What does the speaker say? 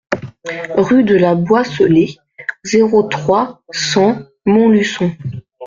Rue de la Boisselée, zéro trois, cent Montluçon